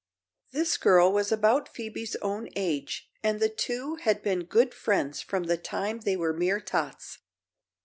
This girl was about Phoebe's own age and the two had been good friends from the time they were mere tots.